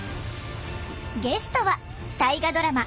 ゲストは大河ドラマ